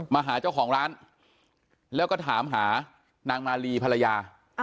มาหาเจ้าของร้านแล้วก็ถามหานางมาลีภรรยา